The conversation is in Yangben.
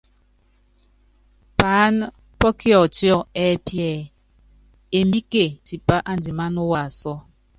Paáná pɔ́ kiɔtiɔ ɛ́pí ɛɛ: Embíke tipa andiman waasɔ.